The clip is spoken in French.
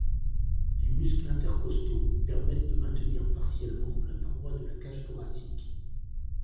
Les muscles intercostaux permettent de maintenir partiellement la paroi de la cage thoracique.